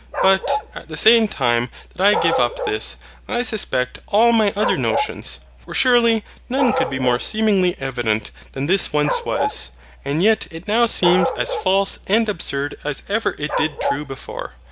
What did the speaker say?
But, at the same time that I give up this, I suspect all my other notions. For surely none could be more seemingly evident than this once was: and yet it now seems as false and absurd as ever it did true before.